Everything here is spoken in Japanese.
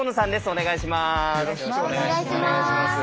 お願いします。